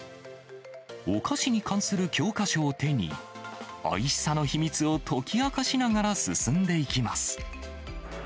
お菓子に関する教科書を手に、おいしさの秘密を解き明かしながら進んでいきます。